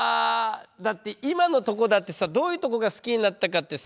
だって今のとこだってさどういうとこが好きになったかってさ